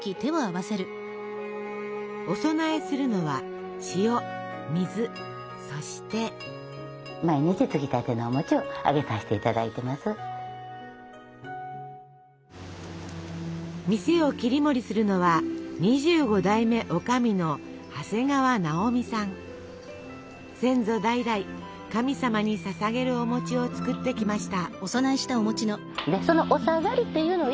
お供えするのは塩水そして。店を切り盛りするのは２５代目先祖代々神様にささげるお餅を作ってきました。